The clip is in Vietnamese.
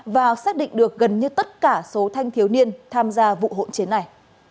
và xác định được gần như tất cả số thanh thiếu niên tham gia vụ hỗn chiến này